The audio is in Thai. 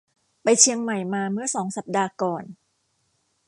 ไปเชียงใหม่มาเมื่อสองสัปดาห์ก่อน